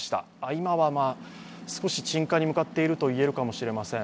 今は少し鎮火に向かっているといえるかもしれません。